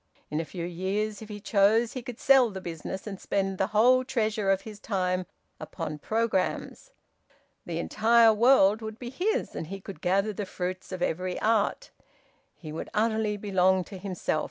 In a few years, if he chose, he could sell the business and spend the whole treasure of his time upon programmes. The entire world would be his, and he could gather the fruits of every art. He would utterly belong to himself.